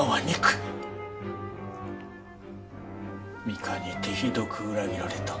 美香に手ひどく裏切られた。